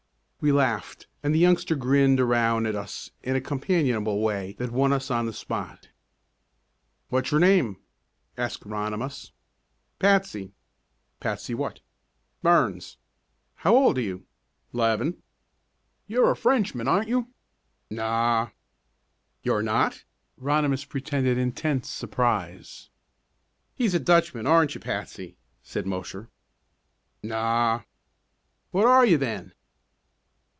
We laughed, and the youngster grinned around at us in a companionable way that won us on the spot. "What's your name?" asked Ronimus. "Patsy." "Patsy what?" "Burns." "How old are you?" "'Leven." "You're a Frenchman, aren't yon?" "Naw." "You're not?" Ronimus pretended intense surprise. "He's a Dutchman, aren't you, Patsy?" said Mosher. "Naw." "What are you then?"